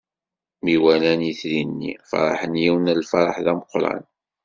Mi walan itri-nni, feṛḥen yiwen n lfeṛḥ d ameqqran.